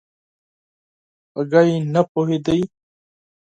په خبره نه پوهېدی؟